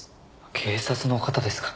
警察の方ですか。